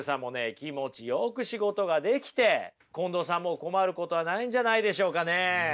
気持ちよく仕事ができて近藤さんも困ることはないんじゃないでしょうかね。